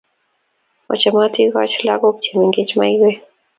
Machamaat ikochi lakok che mengech maiwek